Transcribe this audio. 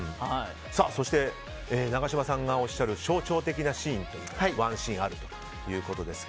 そして、永島さんがおっしゃる象徴的なワンシーンがあるということですが。